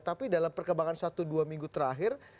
tapi dalam perkembangan satu dua minggu terakhir